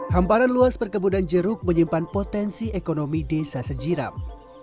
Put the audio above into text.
hamparan luas perkebunan jeruk menyimpan potensi ekonomi desa sejiram